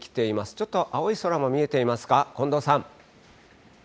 ちょっと青い空も見えていますか、近藤さん。